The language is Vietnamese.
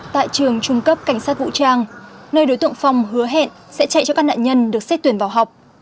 tại trường trung cấp cảnh sát vũ trang nơi đối tượng phong hứa hẹn sẽ chạy cho các nạn nhân được xét tuyển vào học